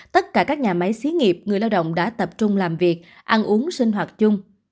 tất cả các nhà máy xí nghiệp người lao động đã tập trung làm việc ăn uống sinh hoạt chung